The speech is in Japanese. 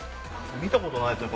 見たことないですね